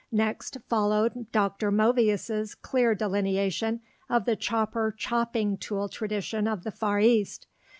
Next followed Dr. Movius' clear delineation of the chopper chopping tool tradition of the Far East.